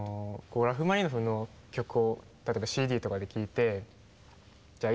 ラフマニノフの曲を例えばＣＤとかで聴いてじゃあいざ